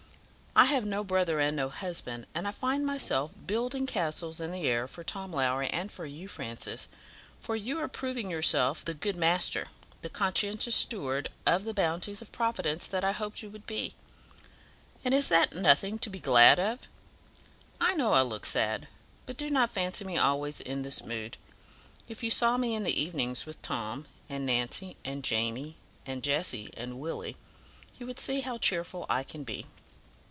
I have no brother and no husband, and I find myself building castles in the air for Tom Lowrie and for you, Francis; for you are proving yourself the good master, the conscientious steward of the bounties of Providence that I hoped you would be; and is that nothing to be glad of? I know I look sad, but do not fancy me always in this mood; if you saw me in the evenings with Tom, and Nancy, and Jamie, and Jessie, and Willie, you would see how cheerful I can be.